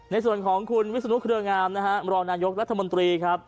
ในส่วนของคุณวิศนุเครืองามนะฮะมรองนายกรัฐมนตรีครับ